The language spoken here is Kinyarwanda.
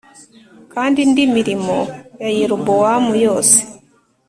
Kandi indi mirimo ya Yerobowamu yose